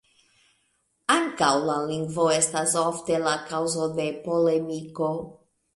Ankaŭ la lingvo estas ofte la kaŭzo de polemiko.